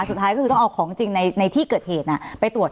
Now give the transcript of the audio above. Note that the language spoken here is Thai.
สุดท้ายก็คือต้องเอาของจริงในที่เกิดเหตุไปตรวจ